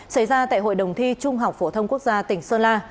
xảy ra tại hội đồng thi trung học phổ thông quốc gia tỉnh sơn la